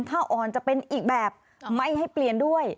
ถ้าอ่อนจะเป็นอีกแบบไม่ให้เปลี่ยนด้วย